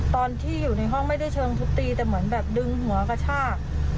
ตอนที่อยู่ในห้องไม่ได้เชิงทุบตีแต่เหมือนแบบดึงหัวกระชาก